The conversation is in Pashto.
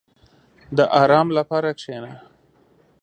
• د آرام لپاره کښېنه.